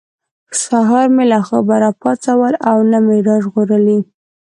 سهار مې له خوبه را پاڅول او نه مې را ژغورلي.